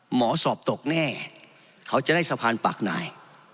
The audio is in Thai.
หมอสอบตกแน่เขาจะได้สะพานปากหน่าย